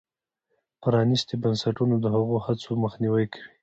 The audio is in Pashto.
پرانیستي بنسټونه د هغو هڅو مخنیوی کوي.